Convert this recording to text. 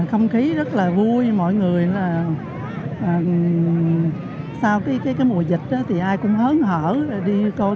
không khí rất là vui mọi người sau mùa dịch thì ai cũng hớn hở